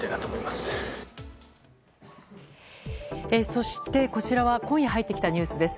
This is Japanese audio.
そして、こちらは今夜入ってきたニュースです。